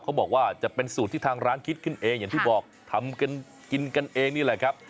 เขาบอกว่าจะเป็นสูตรที่ทางร้านคิดขึ้นเองอย่างที่บอกทำกันกินกันเองนี่แหละครับ